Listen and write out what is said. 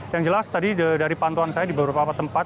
yang jelas tadi dari pantauan saya di beberapa tempat